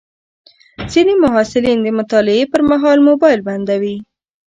ځینې محصلین د مطالعې پر مهال موبایل بندوي.